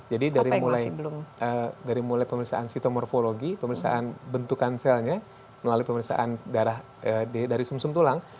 jadi dari mulai pemirsaan sitomorfologi pemirsaan bentukan selnya melalui pemirsaan darah dari sum sum tulang